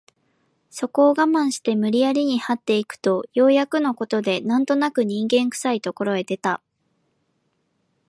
そこを我慢して無理やりに這って行くとようやくの事で何となく人間臭い所へ出た